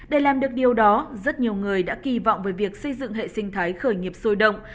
để làm được điều đó rất nhiều người đã kỳ vọng về việc xây dựng hệ sinh thái khởi nghiệp sôi động